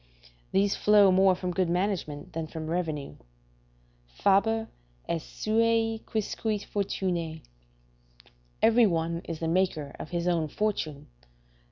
These flow more from good management than from revenue; "Faber est suae quisque fortunae" ["Every one is the maker of his own fortune."